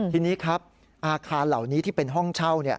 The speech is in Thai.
ทีนี้ครับอาคารเหล่านี้ที่เป็นห้องเช่า